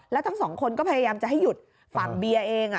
แล้วทั้งสองคนก็พยายามจะให้หยุดฝั่งเบียร์เอง